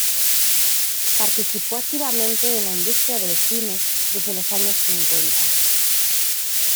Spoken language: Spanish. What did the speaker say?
Participó activamente en la industria del cine desde los años cincuenta.